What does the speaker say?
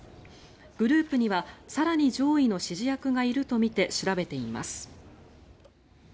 グループには更に上位の指示役がいるとみて調べています。